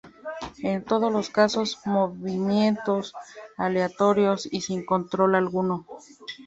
En todos los casos, movimientos aleatorios y sin control alguno.